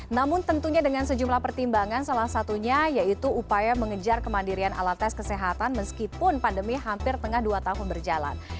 namun tentunya dengan sejumlah pertimbangan salah satunya yaitu upaya mengejar kemandirian alat tes kesehatan meskipun pandemi hampir tengah dua tahun berjalan